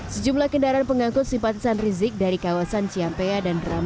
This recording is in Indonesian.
sejumlah kendaraan pengangkut simpatisan rizik dari kawasan ciampea dan drama